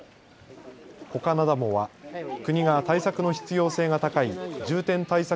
コカナダモは国が対策の必要性が高い重点対策